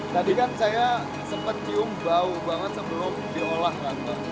tadi kan saya sempat cium bau banget sebelum diolah